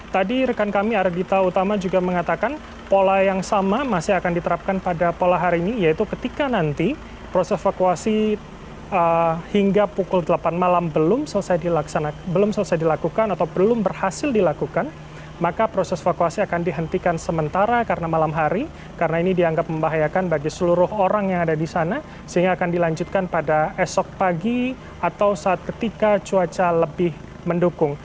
tadi rekan kami ardita utama juga mengatakan pola yang sama masih akan diterapkan pada pola hari ini yaitu ketika nanti proses evakuasi hingga pukul delapan malam belum selesai dilakukan atau belum berhasil dilakukan maka proses evakuasi akan dihentikan sementara karena malam hari karena ini dianggap membahayakan bagi seluruh orang yang ada di sana sehingga akan dilanjutkan pada esok pagi atau saat ketika cuaca lebih mendukung